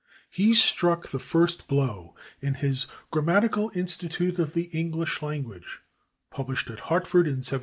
He struck the first blow in his "Grammatical Institute of the English Language," published at Hartford in 1783.